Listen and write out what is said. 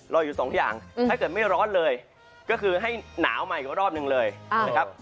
อยู่สองอย่างถ้าเกิดไม่ร้อนเลยก็คือให้หนาวใหม่อีกรอบหนึ่งเลยนะครับ